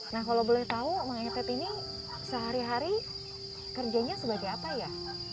nah kalau boleh tahu mang etet ini sehari hari kerjanya sebagai apa ya